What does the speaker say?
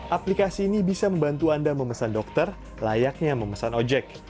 aplikasi ini bisa membantu anda memesan dokter layaknya memesan ojek